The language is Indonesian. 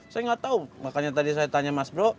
saya gak tau makanya tadi saya tanya mas bro